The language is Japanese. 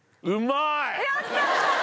やったー！